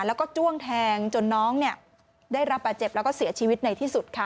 แล้วก็จ้วงแทงจนน้องได้รับบาดเจ็บแล้วก็เสียชีวิตในที่สุดค่ะ